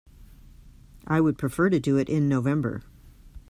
I would prefer to do it in November.